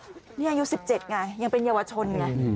นี่อายุ๑๗ไงยังเป็นเยาวชนไง